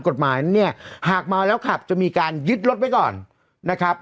กฎหมายนั้นเนี่ยหากเมาแล้วขับจะมีการยึดรถไว้ก่อนนะครับ